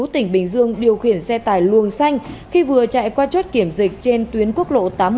tỉnh bình dương điều khiển xe tải luồng xanh khi vừa chạy qua chốt kiểm dịch trên tuyến quốc lộ tám mươi